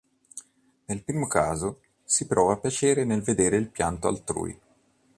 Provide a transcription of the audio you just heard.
Nel primo caso, si prova piacere nel vedere il pianto altrui.